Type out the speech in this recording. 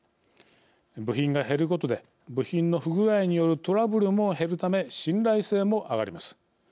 部品が減ることで部品の不具合によるトラブルも減るため信頼性も上がります。